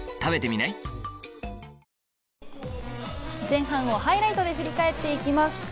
前半をハイライトで振り返っていきます。